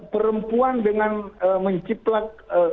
perempuan dengan menciplak